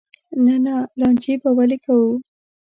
نه نه لانجې به ولې کوو.